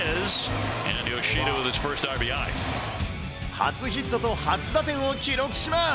初ヒットと初打点を記録します。